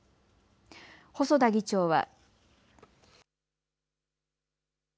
細田議長は。